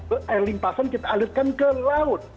air limpasan kita alirkan ke laut